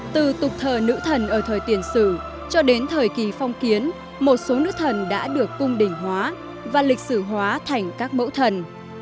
từ tục thờ nữ thần ở thời tiền sử cho đến thời kỳ phong kiến một số nước thần đã được cung đỉnh hóa và lịch sử hóa thành các mẫu thần